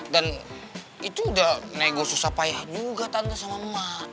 dan itu udah nego susah payah juga tante sama emak